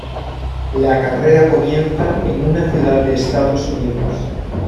La carrera comienza en una ciudad de Estados Unidos.